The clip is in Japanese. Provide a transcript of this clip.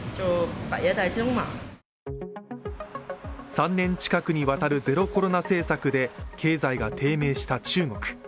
３年近くにわたるゼロコロナ政策で経済が低迷した中国。